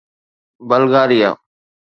Bulgaria